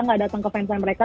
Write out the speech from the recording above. gak datang ke fansign mereka